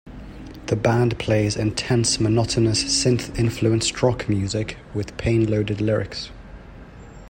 The band plays intense monotonous synth-influenced rock music with painloaded lyrics.